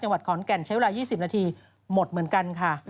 วัดขอนแก่นใช้เวลา๒๐นาทีหมดเหมือนกันค่ะ